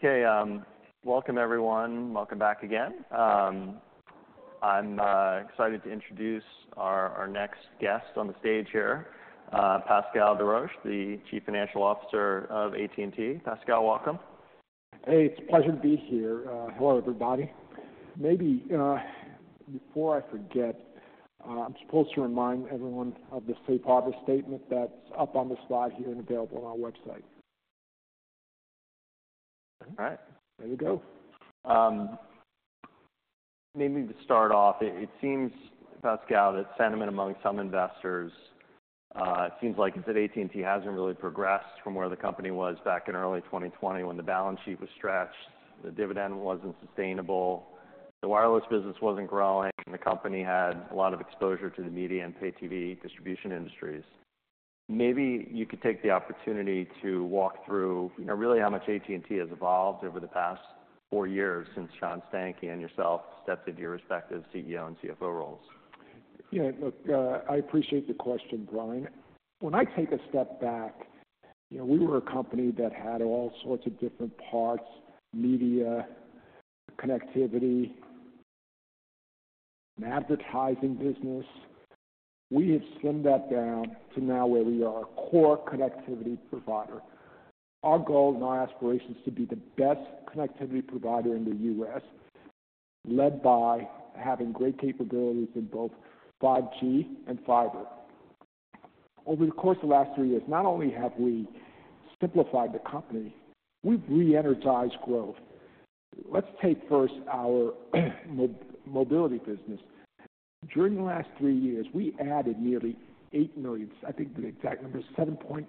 Okay, welcome everyone. Welcome back again. I'm excited to introduce our next guest on the stage here, Pascal Desroches, the Chief Financial Officer of AT&T. Pascal, welcome. Hey, it's a pleasure to be here. Hello, everybody. Maybe before I forget, I'm supposed to remind everyone of the safe harbor statement that's up on the slide here and available on our website. All right. There you go. Maybe to start off, it seems, Pascal, that sentiment among some investors, it seems like it's that AT&T hasn't really progressed from where the company was back in early 2020 when the balance sheet was stretched, the dividend wasn't sustainable, the wireless business wasn't growing, and the company had a lot of exposure to the media and pay-TV distribution industries. Maybe you could take the opportunity to walk through, you know, really how much AT&T has evolved over the past four years since John Stankey and yourself stepped into your respective CEO and CFO roles. Yeah, look, I appreciate the question, Bryan. When I take a step back, you know, we were a company that had all sorts of different parts: media, connectivity, an advertising business. We have slimmed that down to now where we are a core connectivity provider. Our goal and our aspiration is to be the best connectivity provider in the US, led by having great capabilities in both 5G and fiber. Over the course of the last three years, not only have we simplified the company, we've re-energized growth. Let's take first our mobility business. During the last three years, we added nearly 8 million—I think the exact number is 7.8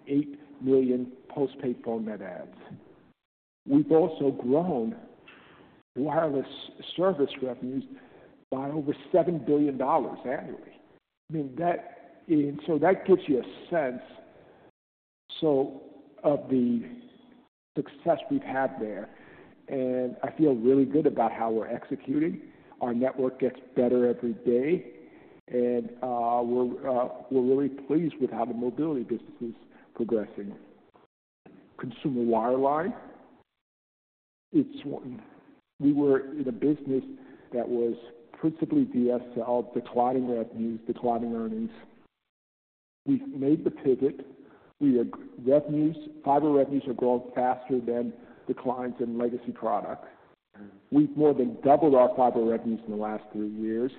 million postpaid phone net adds. We've also grown wireless service revenues by over $7 billion annually. I mean, that and so that gives you a sense, so, of the success we've had there. I feel really good about how we're executing. Our network gets better every day. We're really pleased with how the mobility business is progressing. Consumer wireline, it's what we were in, a business that was principally DSL, declining revenues, declining earnings. We've made the pivot. We are growing revenues. Fiber revenues are growing faster than declines in legacy products. We've more than doubled our fiber revenues in the last three years.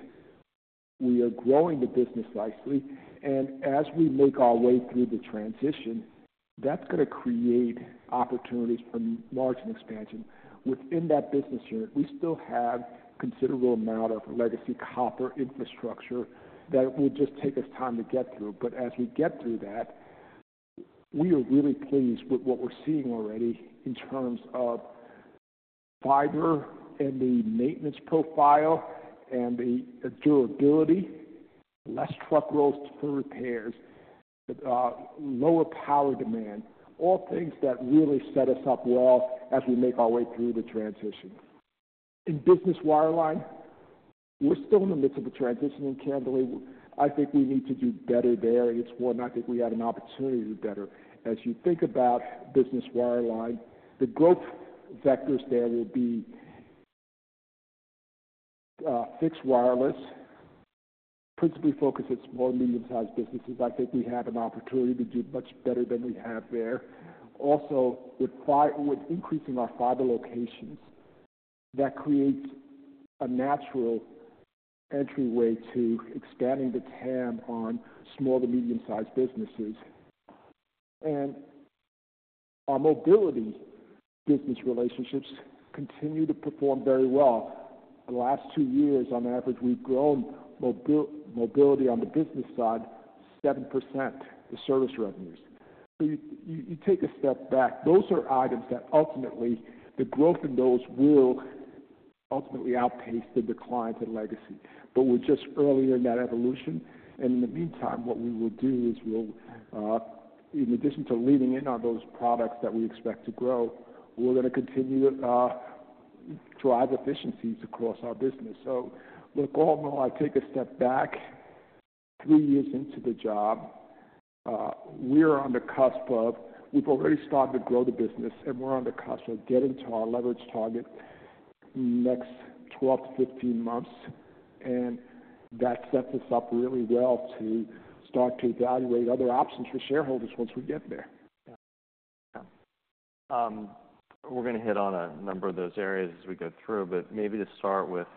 We are growing the business nicely. And as we make our way through the transition, that's gonna create opportunities for margin expansion. Within that business unit, we still have a considerable amount of legacy copper infrastructure that it will just take us time to get through. But as we get through that, we are really pleased with what we're seeing already in terms of fiber and the maintenance profile and the durability, less truck rolls for repairs, lower power demand—all things that really set us up well as we make our way through the transition. In business wireline, we're still in the midst of a transition in cannibalization. I think we need to do better there. It's one I think we had an opportunity to do better. As you think about business wireline, the growth vectors there will be fixed wireless, principally focused at small and medium-sized businesses. I think we have an opportunity to do much better than we have there. Also, with increasing our fiber locations, that creates a natural entryway to expanding the TAM on small to medium-sized businesses. And our mobility business relationships continue to perform very well. The last two years, on average, we've grown mobility on the business side 7%, the service revenues. So you take a step back. Those are items that ultimately the growth in those will ultimately outpace the declines in legacy. But we're just earlier in that evolution. And in the meantime, what we will do is we'll, in addition to leading in on those products that we expect to grow, we're gonna continue to drive efficiencies across our business. So look, although I take a step back three years into the job, we are on the cusp of we've already started to grow the business, and we're on the cusp of getting to our leverage target next 12-15 months. And that sets us up really well to start to evaluate other options for shareholders once we get there. Yeah. Yeah. We're gonna hit on a number of those areas as we go through. But maybe to start with,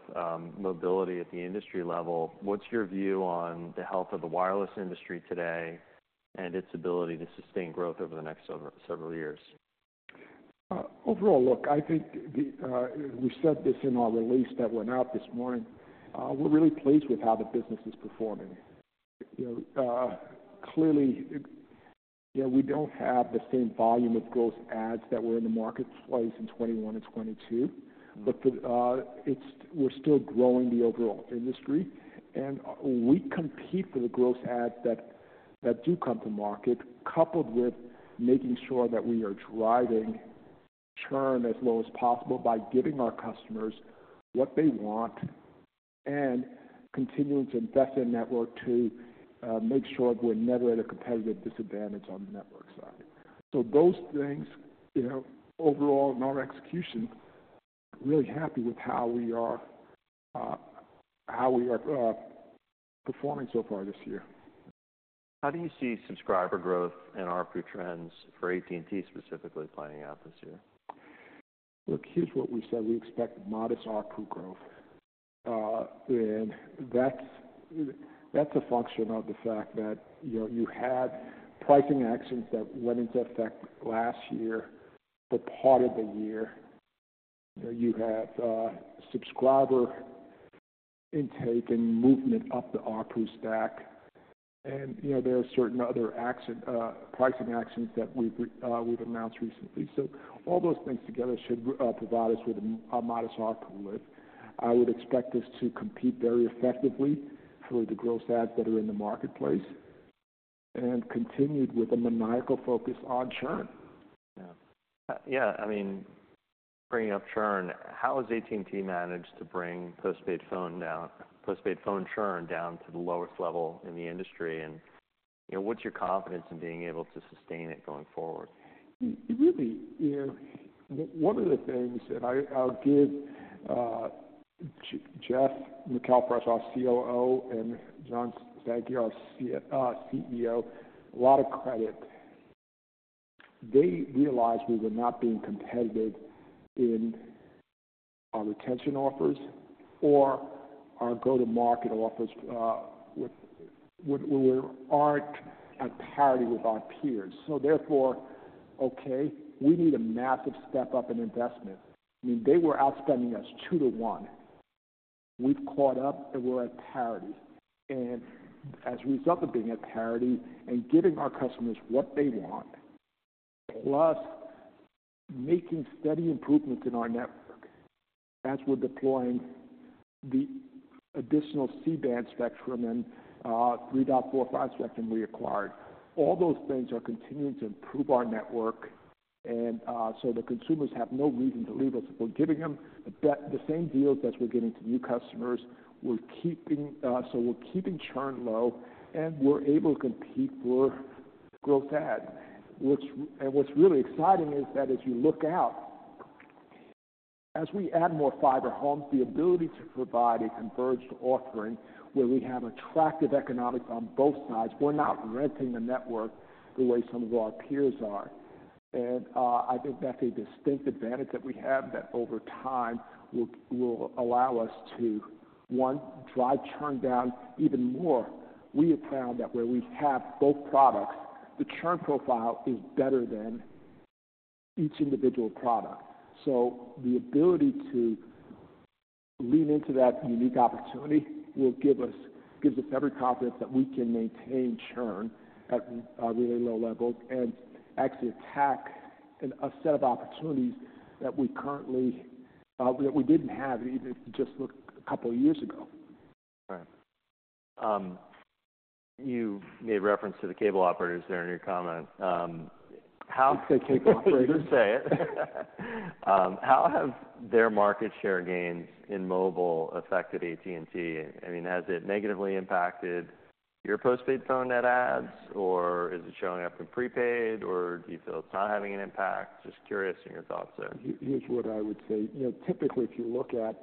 mobility at the industry level, what's your view on the health of the wireless industry today and its ability to sustain growth over the next several years? Overall, look, I think, and we said this in our release that went out this morning. We're really pleased with how the business is performing. You know, clearly, you know, we don't have the same volume of gross adds that were in the marketplace in 2021 and 2022. Mm-hmm. But it's we're still growing the overall industry. We compete for the gross adds that do come to market, coupled with making sure that we are driving churn as low as possible by giving our customers what they want and continuing to invest in network to make sure that we're never at a competitive disadvantage on the network side. Those things, you know, overall in our execution, really happy with how we are performing so far this year. How do you see subscriber growth and ARPU trends for AT&T specifically playing out this year? Look, here's what we said. We expect modest ARPU growth. That's a function of the fact that, you know, you had pricing actions that went into effect last year for part of the year. You know, you have subscriber intake and movement up the ARPU stack. And, you know, there are certain other pricing actions that we've announced recently. So all those things together should provide us with a modest ARPU lift. I would expect us to compete very effectively for the gross adds that are in the marketplace and continued with a maniacal focus on churn. Yeah. Yeah. I mean, bringing up churn, how has AT&T managed to bring postpaid phone down postpaid phone churn down to the lowest level in the industry? You know, what's your confidence in being able to sustain it going forward? It really you know, one of the things that I'll give Jeff McElfresh, our COO, and John Stankey, our CEO, a lot of credit. They realized we were not being competitive in our retention offers or our go-to-market offers, with we weren't at parity with our peers. So therefore, okay, we need a massive step up in investment. I mean, they were outspending us 2-to-1. We've caught up, and we're at parity. And as a result of being at parity and giving our customers what they want, plus making steady improvements in our network as we're deploying the additional C-band spectrum and 3.45 spectrum we acquired, all those things are continuing to improve our network. And so the consumers have no reason to leave us. If we're giving them the best, the same deals as we're getting to new customers, we're keeping, so we're keeping churn low, and we're able to compete for gross adds. What's our, and what's really exciting is that as you look out, as we add more fiber homes, the ability to provide a converged offering where we have attractive economics on both sides, we're not renting the network the way some of our peers are. And, I think that's a distinct advantage that we have that over time will allow us to, one, drive churn down even more. We have found that where we have both products, the churn profile is better than each individual product. So the ability to lean into that unique opportunity will give us every confidence that we can maintain churn at really low levels and actually attack a set of opportunities that we didn't have even if you just look a couple of years ago. Right. You made reference to the cable operators there in your comment. How? You say cable operators. You say it. How have their market share gains in mobile affected AT&T? I mean, has it negatively impacted your postpaid phone net adds, or is it showing up in prepaid, or do you feel it's not having an impact? Just curious in your thoughts there. Here's what I would say. You know, typically, if you look at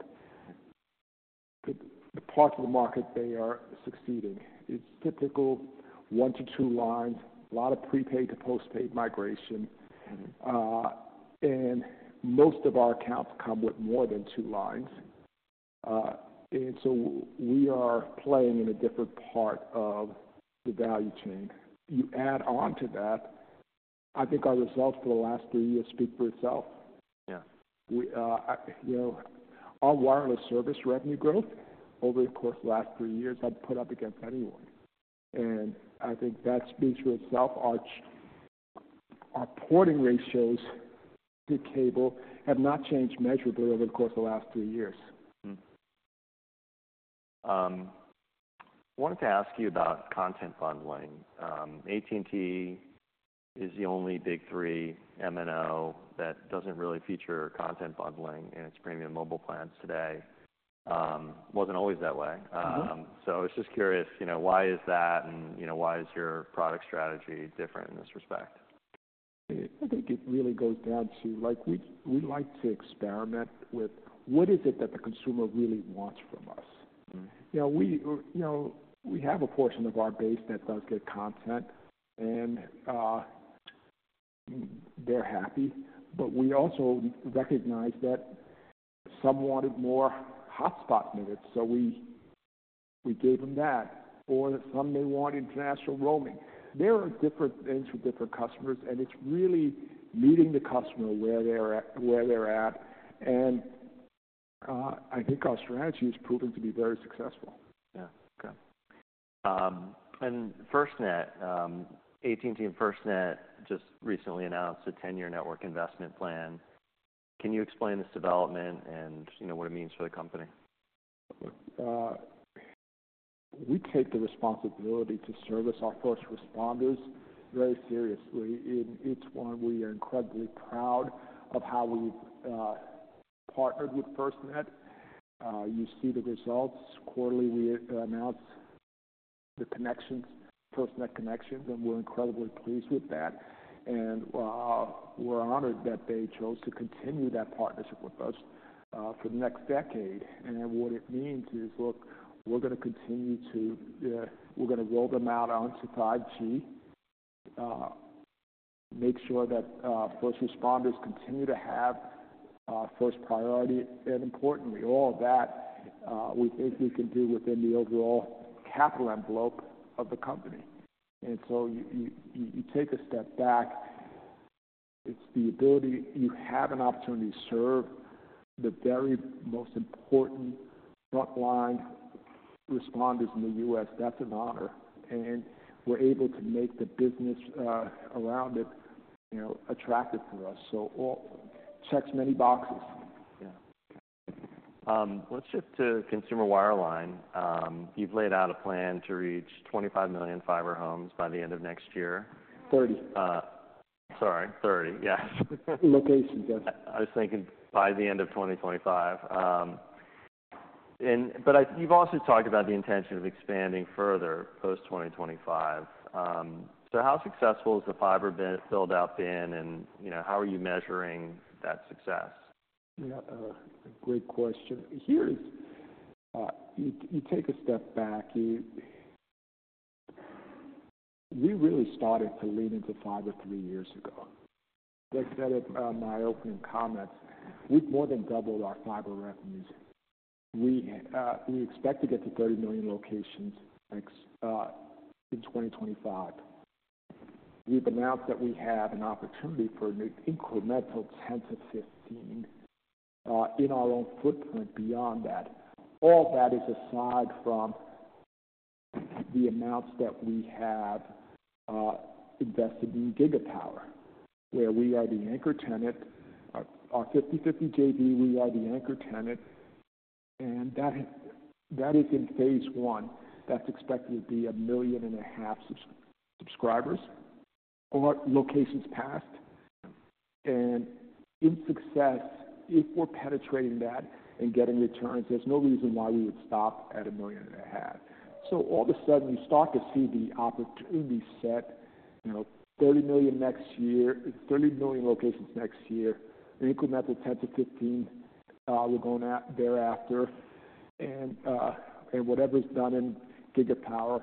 the parts of the market they are succeeding. It's typical 1-2 lines, a lot of prepaid to postpaid migration. Mm-hmm. Most of our accounts come with more than two lines, and so we are playing in a different part of the value chain. You add onto that, I think our results for the last three years speak for itself. Yeah. I, you know, our wireless service revenue growth over the course of the last three years I'd put up against anyone. I think that speaks for itself. Our porting ratios to cable have not changed measurably over the course of the last three years. Wanted to ask you about content bundling. AT&T is the only big three MNO that doesn't really feature content bundling in its premium mobile plans today. Wasn't always that way. Mm-hmm. I was just curious, you know, why is that, and, you know, why is your product strategy different in this respect? I think it really goes down to like, we like to experiment with what is it that the consumer really wants from us. Mm-hmm. You know, we're, you know, we have a portion of our base that does get content, and they're happy. But we also recognize that some wanted more hotspot minutes, so we gave them that. Or some may want international roaming. There are different things for different customers, and it's really meeting the customer where they're at. And I think our strategy is proving to be very successful. Yeah. Okay. And FirstNet, AT&T and FirstNet just recently announced a 10-year network investment plan. Can you explain this development and, you know, what it means for the company? Look, we take the responsibility to service our first responders very seriously. In each one, we are incredibly proud of how we've partnered with FirstNet. You see the results. Quarterly, we announce the connections, FirstNet connections, and we're incredibly pleased with that. We're honored that they chose to continue that partnership with us for the next decade. What it means is, look, we're gonna continue to, you know, we're gonna roll them out onto 5G, make sure that first responders continue to have first priority. Importantly, all of that, we think we can do within the overall capital envelope of the company. So you take a step back. It's the ability you have an opportunity to serve the very most important frontline responders in the U.S. That's an honor. We're able to make the business around it, you know, attractive for us. So all checks many boxes. Yeah. Okay. Let's shift to consumer wireline. You've laid out a plan to reach 25 million fiber homes by the end of next year. 30. Sorry. 30. Yes. Locations. Yes. I was thinking by the end of 2025, and but I've also talked about the intention of expanding further post-2025, so how successful has the fiber build-out been, and, you know, how are you measuring that success? Yeah. A great question. Here's, you take a step back. We really started to lean into fiber 3 years ago. Like I said at my opening comments, we've more than doubled our fiber revenues. We expect to get to 30 million locations next in 2025. We've announced that we have an opportunity for an incremental 10-15 in our own footprint beyond that. All that is aside from the amounts that we have invested in Gigapower, where we are the anchor tenant. Our 50/50 JV, we are the anchor tenant. And that is in phase one. That's expected to be 1.5 million subscribers or locations past. Yeah. And in success, if we're penetrating that and getting returns, there's no reason why we would stop at 1.5 million. So all of a sudden, you start to see the opportunity set, you know, 30 million next year, 30 million locations next year, an incremental 10-15 we're going at thereafter, and whatever's done in Gigapower.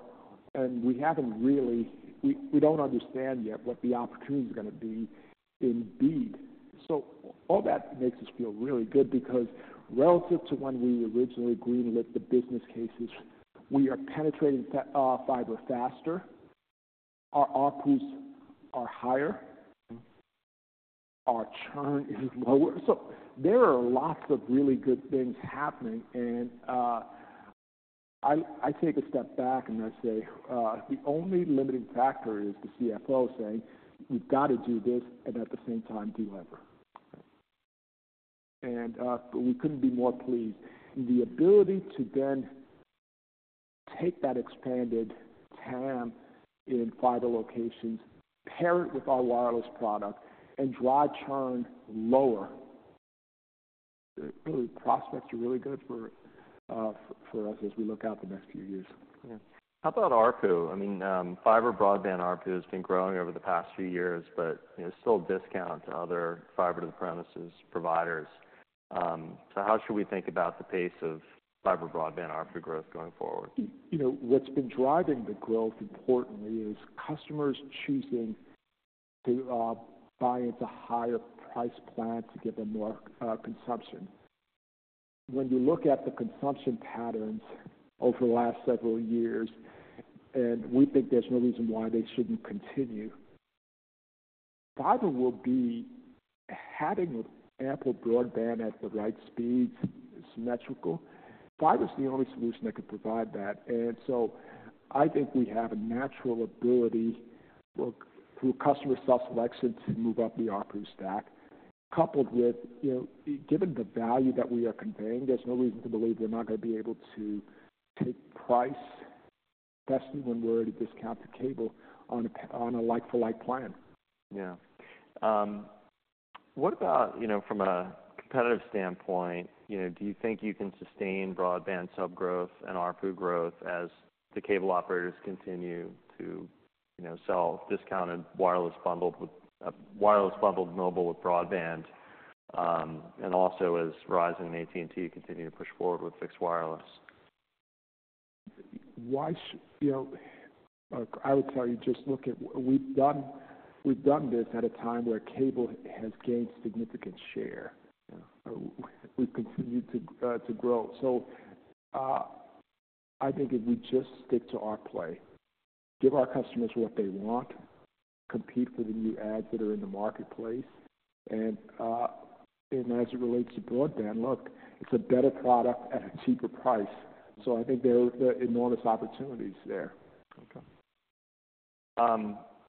And we haven't really, we don't understand yet what the opportunity's gonna be in BEAD. So all that makes us feel really good because relative to when we originally greenlit the business cases, we are penetrating fiber faster. Our ARPUs are higher. Mm-hmm. Our churn is lower. So there are lots of really good things happening. And I take a step back, and I say, the only limiting factor is the CFO saying, "We've gotta do this, and at the same time, deliver. Right. But we couldn't be more pleased. The ability to then take that expanded TAM in fiber locations, pair it with our wireless product, and drive churn lower, really prospects are really good for us as we look out the next few years. Yeah. How about ARPU? I mean, fiber broadband ARPU has been growing over the past few years, but, you know, still a discount to other fiber-to-the-premises providers. So how should we think about the pace of fiber broadband ARPU growth going forward? You know, what's been driving the growth importantly is customers choosing to buy into higher-priced plans to give them more consumption. When you look at the consumption patterns over the last several years, and we think there's no reason why they shouldn't continue, fiber will be having ample broadband at the right speeds symmetrical. Fiber's the only solution that could provide that. And so I think we have a natural ability, look, through customer self-selection to move up the ARPU stack coupled with, you know, given the value that we are conveying, there's no reason to believe we're not gonna be able to take price, especially when we're at a discount to cable on a like-for-like plan. Yeah. What about, you know, from a competitive standpoint, you know, do you think you can sustain broadband subgrowth and ARPU growth as the cable operators continue to, you know, sell discounted wireless bundled mobile with broadband, and also as T-Mobile and AT&T continue to push forward with fixed wireless? Why should you know, I would tell you, just look at what we've done. We've done this at a time where cable has gained significant share. Yeah. We've continued to grow. So, I think if we just stick to our play, give our customers what they want, compete for the new adds that are in the marketplace, and as it relates to broadband, look, it's a better product at a cheaper price. So I think there are enormous opportunities there. Okay.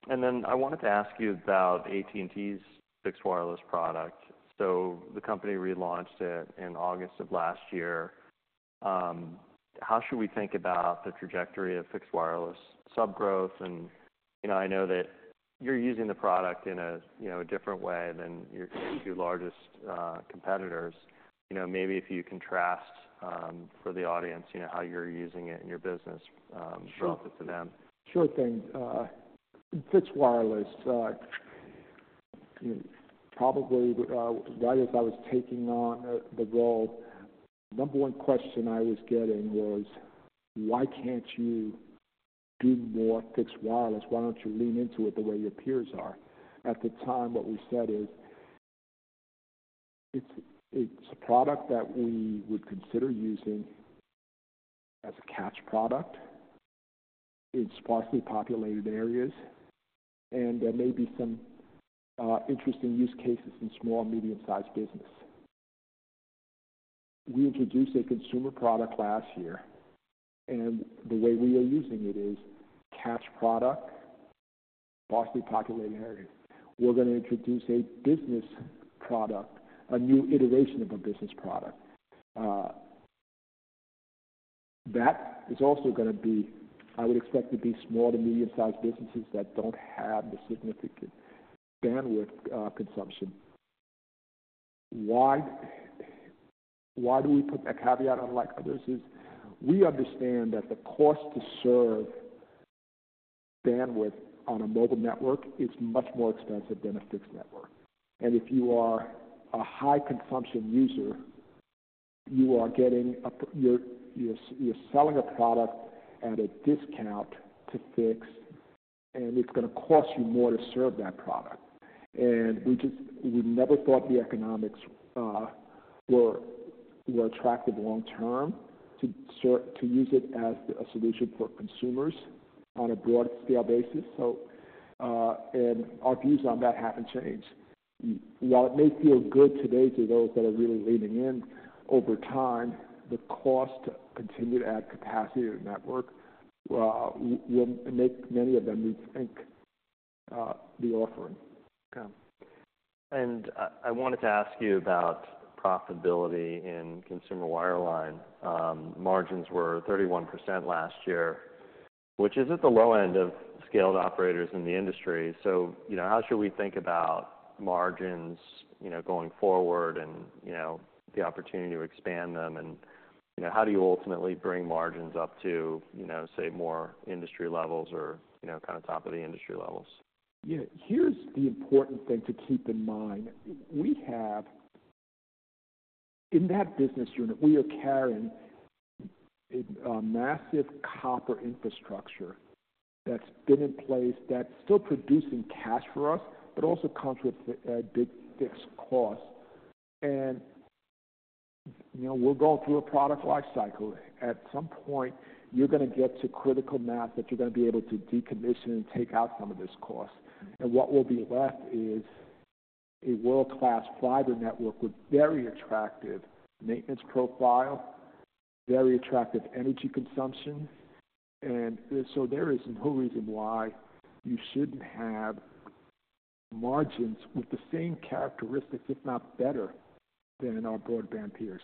And then I wanted to ask you about AT&T's fixed wireless product. So the company relaunched it in August of last year. How should we think about the trajectory of fixed wireless subgrowth? And, you know, I know that you're using the product in a, you know, a different way than your two largest competitors. You know, maybe if you contrast, for the audience, you know, how you're using it in your business, relative to them. Sure. Sure thing. Fixed wireless, you know, probably right as I was taking on the role, number one question I was getting was, "Why can't you do more fixed wireless? Why don't you lean into it the way your peers are?" At the time, what we said is, "It's a product that we would consider using as a catch product in sparsely populated areas. And there may be some interesting use cases in small or medium-sized business." We introduced a consumer product last year, and the way we are using it is catch product, sparsely populated areas. We're gonna introduce a business product, a new iteration of a business product that is also gonna be. I would expect to be small to medium-sized businesses that don't have the significant bandwidth consumption. Why, why do we put a caveat unlike others? It's we understand that the cost to serve bandwidth on a mobile network is much more expensive than a fixed network. And if you are a high-consumption user, you are getting a pr you're selling a product at a discount to fix, and it's gonna cost you more to serve that product. And we just never thought the economics were attractive long-term to use it as a solution for consumers on a broad-scale basis. And our views on that haven't changed. Yeah, while it may feel good today to those that are really leaning in, over time, the cost to continue to add capacity to the network would make many of them rethink the offering. Okay. I wanted to ask you about profitability in consumer wireline. Margins were 31% last year, which is at the low end of scaled operators in the industry. So, you know, how should we think about margins, you know, going forward and, you know, the opportunity to expand them? And, you know, how do you ultimately bring margins up to, you know, say, more industry levels or, you know, kinda top-of-the-industry levels? Yeah. Here's the important thing to keep in mind. We have in that business unit, we are carrying a massive copper infrastructure that's been in place that's still producing cash for us but also comes with a big fixed cost. And, you know, we're going through a product lifecycle. At some point, you're gonna get to critical mass that you're gonna be able to decommission and take out some of this cost. And what will be left is a world-class fiber network with very attractive maintenance profile, very attractive energy consumption. And so there is no reason why you shouldn't have margins with the same characteristics, if not better, than our broadband peers.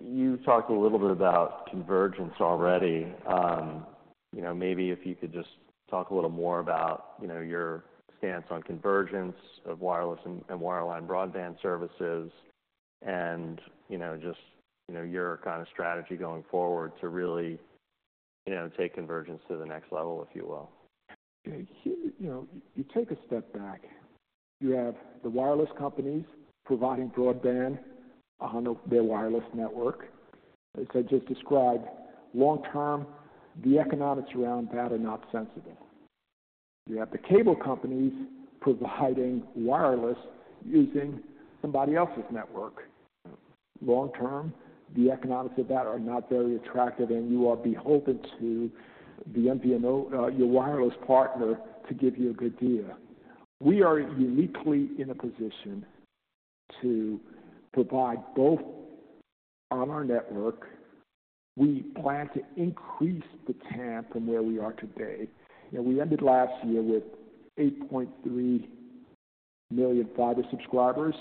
You've talked a little bit about convergence already. You know, maybe if you could just talk a little more about, you know, your stance on convergence of wireless and, and wireline broadband services and, you know, just, you know, your kinda strategy going forward to really, you know, take convergence to the next level, if you will. Okay. Here you know, you take a step back. You have the wireless companies providing broadband on their wireless network. As I just described, long-term, the economics around that are not sensitive. You have the cable companies providing wireless using somebody else's network. Long-term, the economics of that are not very attractive, and you are beholden to the MVNO, your wireless partner, to give you a good deal. We are uniquely in a position to provide both on our network. We plan to increase the TAM from where we are today. You know, we ended last year with 8.3 million fiber subscribers,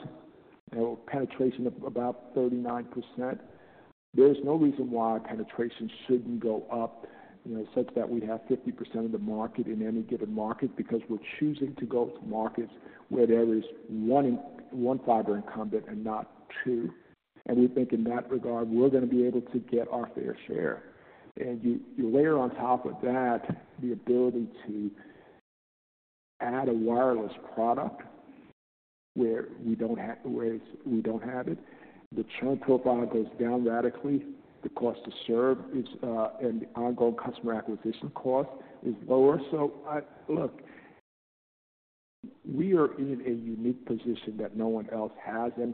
you know, penetration of about 39%. There's no reason why penetration shouldn't go up, you know, such that we have 50% of the market in any given market because we're choosing to go to markets where there is one in one fiber incumbent and not two. And we think in that regard, we're gonna be able to get our fair share. And you layer on top of that the ability to add a wireless product whereas we don't have it. The churn profile goes down radically. The cost to serve is, and the ongoing customer acquisition cost is lower. So I, look, we are in a unique position that no one else has. And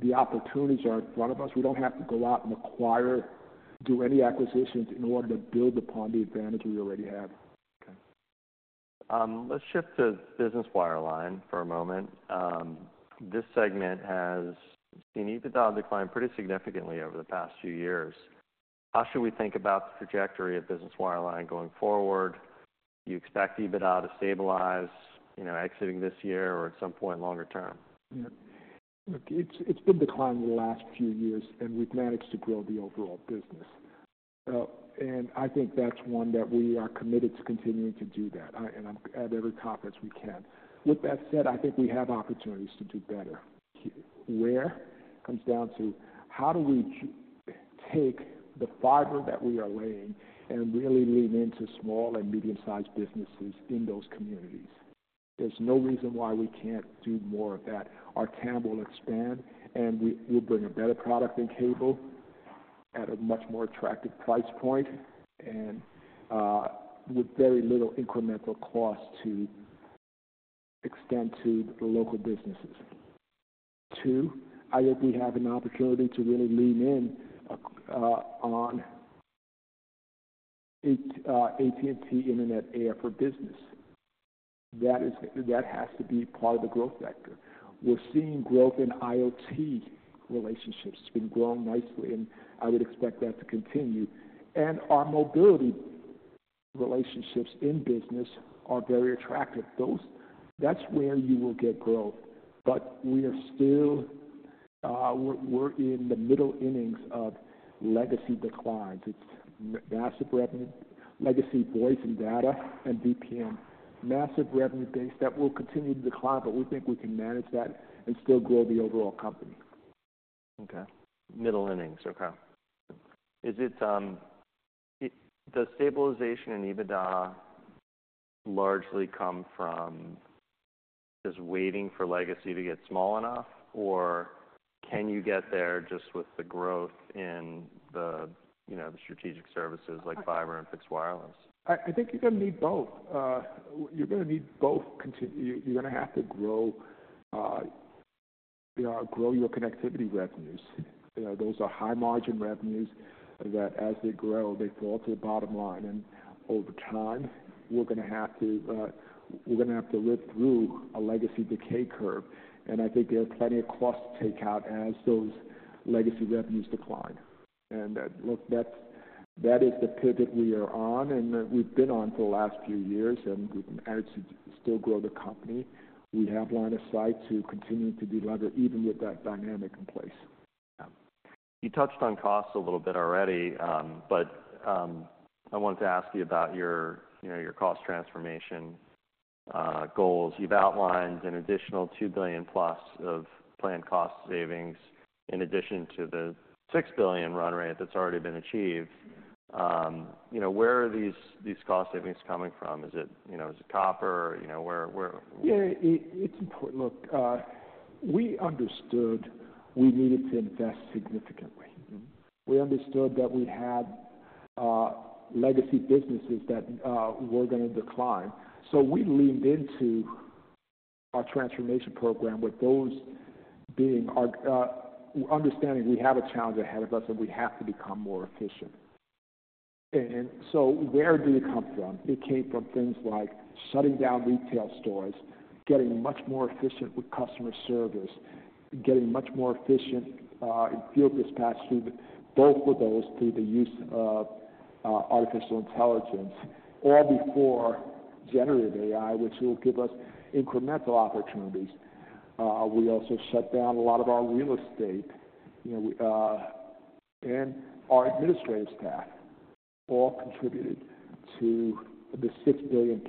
the opportunities are in front of us. We don't have to go out and acquire, do any acquisitions in order to build upon the advantage we already have. Okay. Let's shift to business wireline for a moment. This segment has seen EBITDA decline pretty significantly over the past few years. How should we think about the trajectory of business wireline going forward? You expect EBITDA to stabilize, you know, exiting this year or at some point longer term? Yeah. Look, it's, it's been declining the last few years, and we've managed to grow the overall business. And I think that's one that we are committed to continuing to do that. And I'm at it every way I can. With that said, I think we have opportunities to do better. Here's where it comes down to how do we just take the fiber that we are laying and really lean into small and medium-sized businesses in those communities. There's no reason why we can't do more of that. Our TAM will expand, and we will bring a better product than cable at a much more attractive price point and, with very little incremental cost to extend to the local businesses. Two, I think we have an opportunity to really lean in on AT&T Internet Air for Business. That is that has to be part of the growth vector. We're seeing growth in IoT relationships. It's been growing nicely, and I would expect that to continue. And our mobility relationships in business are very attractive. That's where you will get growth. But we are still, we're in the middle innings of legacy declines. It's massive revenue legacy voice and data and VPN, massive revenue base that will continue to decline, but we think we can manage that and still grow the overall company. Okay. Middle innings. Okay. Is it, does stabilization in EBITDA largely come from just waiting for legacy to get small enough, or can you get there just with the growth in the, you know, the strategic services like fiber and fixed wireless? I think you're gonna need both. You're gonna have to grow, you know, grow your connectivity revenues. You know, those are high-margin revenues that, as they grow, they fall to the bottom line. And over time, we're gonna have to, we're gonna have to live through a legacy decay curve. And I think there are plenty of costs to take out as those legacy revenues decline. And, look, that's, that is the pivot we are on, and, we've been on for the last few years, and we've managed to just still grow the company. We have line of sight to continue to deliver even with that dynamic in place. Yeah. You touched on costs a little bit already, but I wanted to ask you about your, you know, your cost transformation goals. You've outlined an additional $2 billion+ of planned cost savings in addition to the $6 billion run rate that's already been achieved. You know, where are these, these cost savings coming from? Is it, you know, is it copper? You know, where, where, w? Yeah. It's important. Look, we understood we needed to invest significantly. Mm-hmm. We understood that we had legacy businesses that were gonna decline. So we leaned into our transformation program with those being our understanding we have a challenge ahead of us, and we have to become more efficient. And so where did it come from? It came from things like shutting down retail stores, getting much more efficient with customer service, getting much more efficient in field dispatch through both of those through the use of artificial intelligence, all before generative AI, which will give us incremental opportunities. We also shut down a lot of our real estate. You know, we and our administrative staff all contributed to the $6 billion+.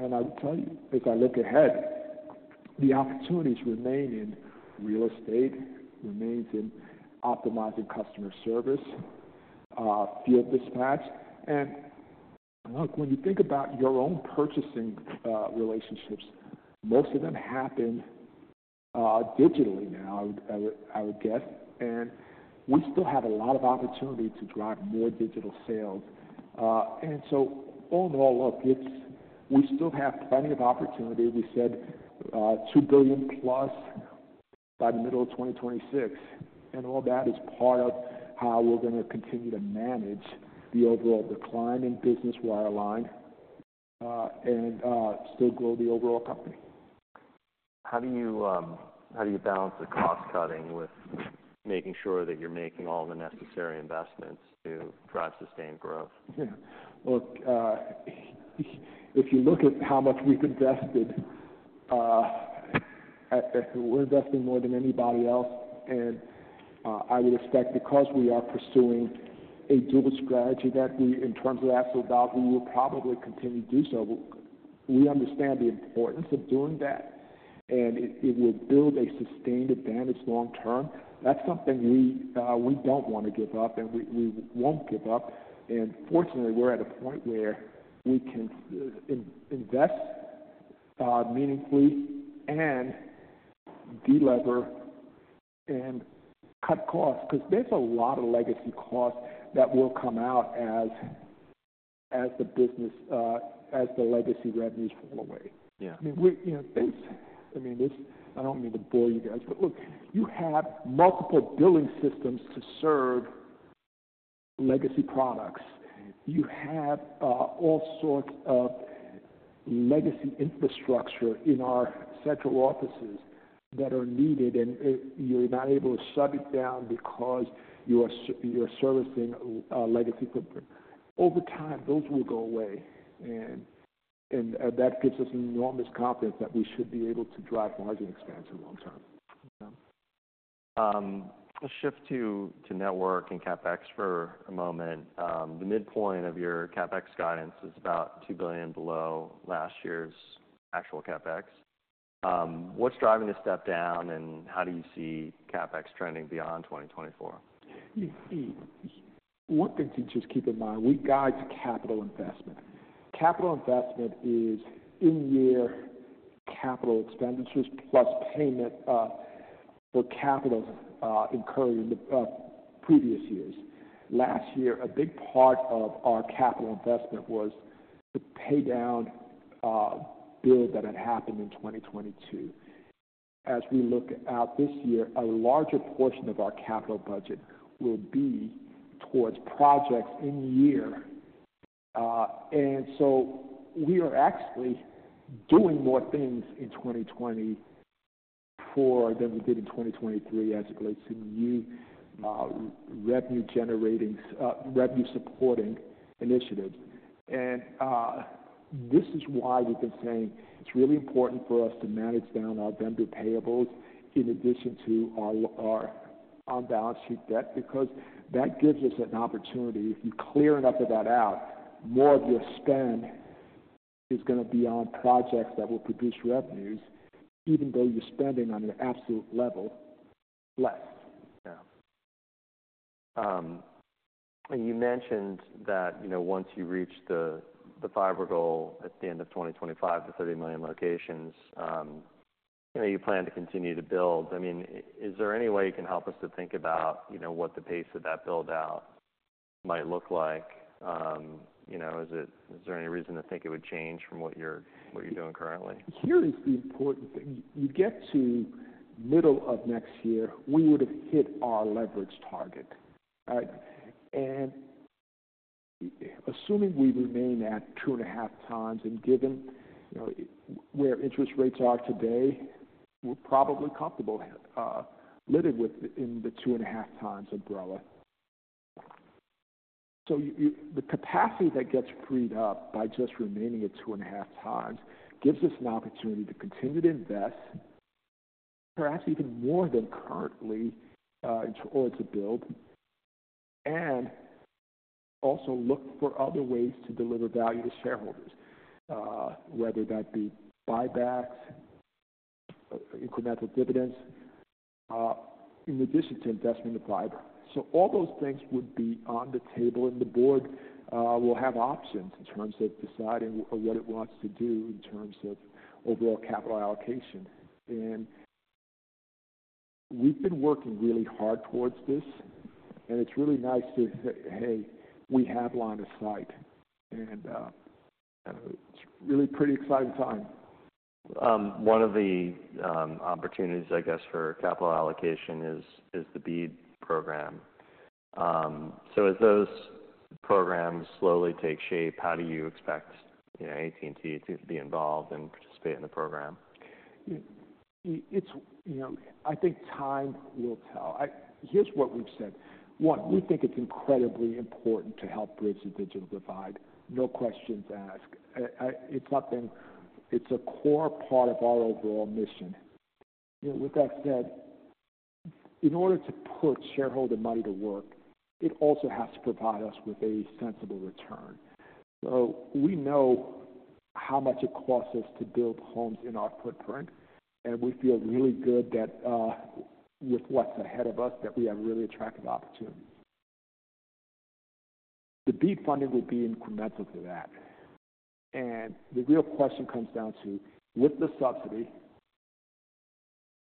And I would tell you, as I look ahead, the opportunities remain in real estate, remains in optimizing customer service, field dispatch. Look, when you think about your own purchasing relationships, most of them happen digitally now. I would, I would, I would guess. We still have a lot of opportunity to drive more digital sales. So all in all, look, it's we still have plenty of opportunity. We said $2 billion+ by the middle of 2026. All that is part of how we're gonna continue to manage the overall decline in business wireline and still grow the overall company. How do you, how do you balance the cost-cutting with making sure that you're making all the necessary investments to drive sustained growth? Yeah. Look, if you look at how much we've invested, and we're investing more than anybody else. And I would expect because we are pursuing a dual strategy that we, in terms of capex, will probably continue to do so. We understand the importance of doing that, and it will build a sustained advantage long-term. That's something we don't wanna give up, and we won't give up. And fortunately, we're at a point where we can invest meaningfully and delever and cut costs 'cause there's a lot of legacy costs that will come out as the business, as the legacy revenues fall away. Yeah. I mean, you know, I mean, this I don't mean to bore you guys, but look, you have multiple billing systems to serve legacy products. You have all sorts of legacy infrastructure in our central offices that are needed, and you're not able to shut it down because you're servicing a legacy footprint. Over time, those will go away. And that gives us enormous confidence that we should be able to drive margin expansion long-term. Okay. Let's shift to network and CapEx for a moment. The midpoint of your CapEx guidance is about $2 billion below last year's actual CapEx. What's driving this step down, and how do you see CapEx trending beyond 2024? One thing to just keep in mind, we guide to capital investment. Capital investment is in-year capital expenditures plus payment for capital incurred in the previous years. Last year, a big part of our capital investment was to pay down bills that had happened in 2022. As we look out this year, a larger portion of our capital budget will be towards projects in-year. So we are actually doing more things in 2024 than we did in 2023 as it relates to new revenue-generating revenue-supporting initiatives. And this is why we've been saying it's really important for us to manage down our vendor payables in addition to our on-balance sheet debt because that gives us an opportunity. If you clear enough of that out, more of your spend is gonna be on projects that will produce revenues even though you're spending on an absolute level less. Yeah. And you mentioned that, you know, once you reach the fiber goal at the end of 2025, the 30 million locations, you know, you plan to continue to build. I mean, is there any way you can help us to think about, you know, what the pace of that build-out might look like? You know, is there any reason to think it would change from what you're doing currently? Here is the important thing. You get to middle of next year, we would have hit our leverage target, right? And assuming we remain at 2.5 turns and given, you know, where interest rates are today, we're probably comfortable holding within the 2.5 turns umbrella. So the capacity that gets freed up by just remaining at 2.5 turns gives us an opportunity to continue to invest, perhaps even more than currently, in order to build and also look for other ways to deliver value to shareholders, whether that be buybacks, incremental dividends, in addition to investment in fiber. So all those things would be on the table, and the board will have options in terms of deciding what it wants to do in terms of overall capital allocation. We've been working really hard towards this, and it's really nice that, hey, we have line of sight. It's really pretty exciting time. One of the opportunities, I guess, for capital allocation is the BEAD program. So as those programs slowly take shape, how do you expect, you know, AT&T to be involved and participate in the program? Yeah, it's, you know, I think time will tell. Here's what we've said. One, we think it's incredibly important to help bridge the digital divide. No questions asked. It's something. It's a core part of our overall mission. You know, with that said, in order to put shareholder money to work, it also has to provide us with a sensible return. So we know how much it costs us to build homes in our footprint, and we feel really good that, with what's ahead of us, that we have really attractive opportunities. The BEAD funding will be incremental to that. And the real question comes down to, with the subsidy,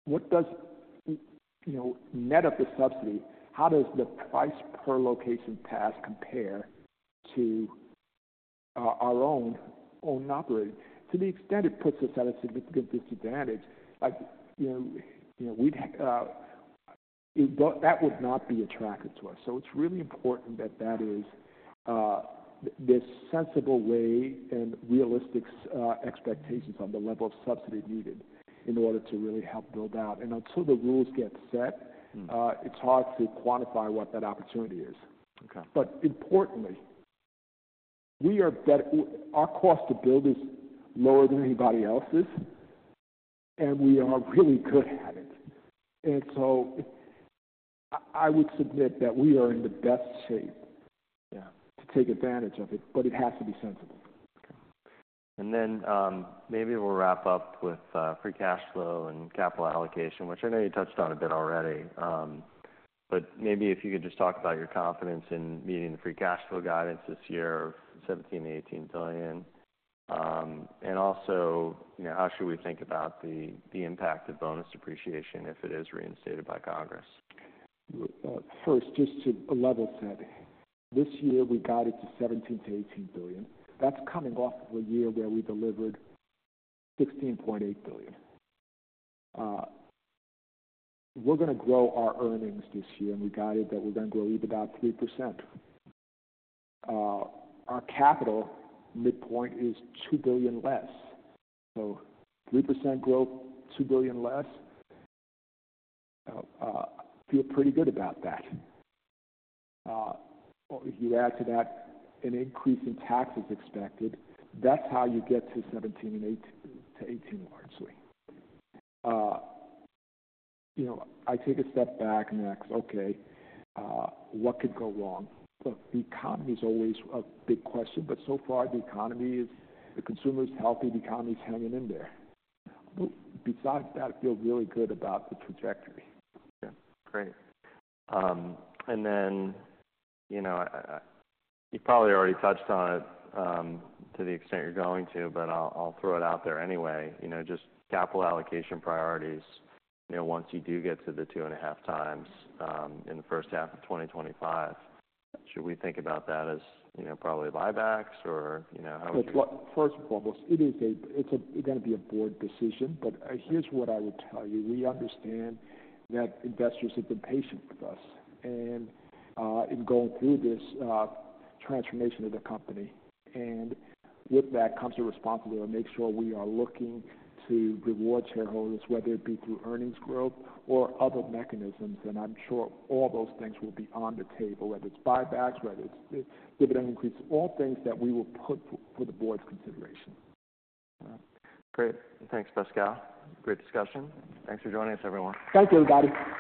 what does, you know, net of the subsidy, how does the price per location pass compare to our own operating? To the extent it puts us at a significant disadvantage, like, you know, we, you know, we'd have, I thought that would not be attractive to us. So it's really important that that is this sensible way and realistic expectations on the level of subsidy needed in order to really help build out. And until the rules get set. Mm-hmm. It's hard to quantify what that opportunity is. Okay. But importantly, we are betting our cost to build is lower than anybody else's, and we are really good at it. And so I would submit that we are in the best shape. Yeah. To take advantage of it, but it has to be sensible. Okay. Then, maybe we'll wrap up with free cash flow and capital allocation, which I know you touched on a bit already. But maybe if you could just talk about your confidence in meeting the free cash flow guidance this year of $17 billion-$18 billion. And also, you know, how should we think about the impact of bonus depreciation if it is reinstated by Congress? Well, first, just to level set, this year, we got it to $17 billion-$18 billion. That's coming off of a year where we delivered $16.8 billion. We're gonna grow our earnings this year, and we got it that we're gonna grow EBITDA up 3%. Our capital midpoint is $2 billion less. So 3% growth, $2 billion less. I'll feel pretty good about that. Oh, if you add to that an increase in taxes expected, that's how you get to $17 billion-$18 billion, largely. You know, I take a step back and ask, "Okay, what could go wrong?" Look, the economy's always a big question, but so far, the consumer is healthy. The economy's hanging in there. But besides that, I feel really good about the trajectory. Yeah. Great. And then, you know, I you've probably already touched on it, to the extent you're going to, but I'll throw it out there anyway. You know, just capital allocation priorities, you know, once you do get to the 2.5 times, in the first half of 2025, should we think about that as, you know, probably buybacks, or, you know, how would you? Look, first and foremost, it is a gonna be a board decision. Here's what I would tell you. We understand that investors have been patient with us and, in going through this, transformation of the company. With that comes a responsibility to make sure we are looking to reward shareholders, whether it be through earnings growth or other mechanisms. I'm sure all those things will be on the table, whether it's buybacks, whether it's dividend increases, all things that we will put for the board's consideration. All right. Great. Thanks, Pascal. Great discussion. Thanks for joining us, everyone. Thank you, everybody.